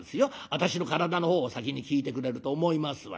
私の体の方を先に聞いてくれると思いますわよ」。